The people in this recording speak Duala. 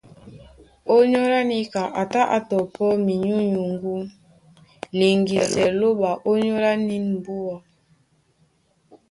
Ònyólá níka a tá á tɔpɔ́ minyúnyuŋgú liŋgisɛ Lóɓa ónyólá nîn mbúa.